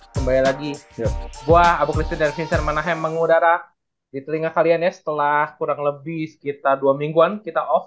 kembali lagi gue abu kristin dan vincer manahem mengudara di telinga kalian ya setelah kurang lebih sekitar dua mingguan kita off